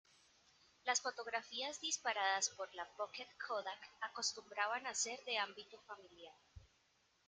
Las fotografías disparadas por la "Pocket Kodak" acostumbraban a ser de ámbito familiar.